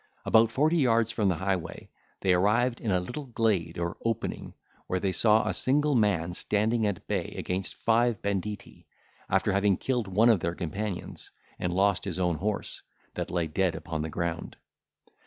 About forty yards from the highway, they arrived in a little glade or opening, where they saw a single man standing at bay against five banditti, after having killed one of their companions, and lost his own horse, that lay dead upon the ground.